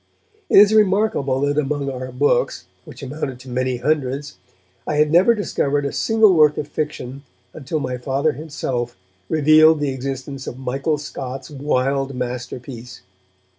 It is remarkable that among our books, which amounted to many hundreds, I had never discovered a single work of fiction until my Father himself revealed the existence of Michael Scott's wild masterpiece.